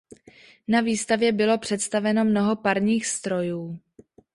Na výstavě bylo představeno mnoho parních strojů.